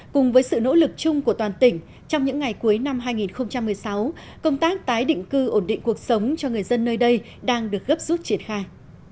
cùng với sự nỗ lực chung của toàn tỉnh trong những ngày cuối năm hai nghìn một mươi sáu công tác tái định cư ổn định cuộc sống cho người dân nơi đây đang được gấp rút triển khai